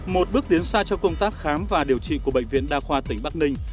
một bước tiến xa cho công tác khám và điều trị của bệnh viện đa khoa tỉnh bắc ninh